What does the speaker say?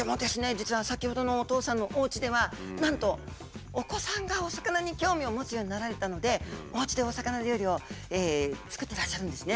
実は先ほどのおとうさんのおうちではなんとお子さんがお魚に興味を持つようになられたのでおうちでお魚料理を作ってらっしゃるんですね。